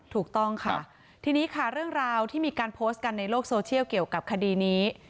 ถูกต้องค่ะทีนี้ค่ะเรื่องราวที่มีการโพสต์กันในโลกโซเชียลเกี่ยวกับคดีนี้